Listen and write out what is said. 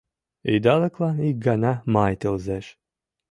Идалыклан ик гана май тылзеш